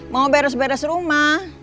mau beres beres rumah